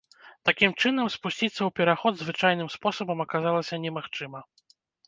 Такім чынам, спусціцца ў пераход звычайным спосабам аказалася немагчыма.